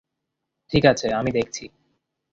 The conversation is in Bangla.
ঠিক আছে, আমি দেখছি।